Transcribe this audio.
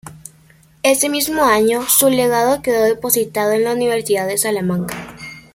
Ese mismo año su legado quedó depositado en la Universidad de Salamanca.